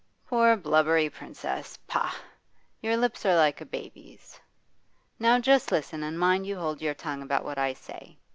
'Poor blubbery princess! Pah! your lips are like a baby's. Now just listen, and mind you hold your tongue about what I say.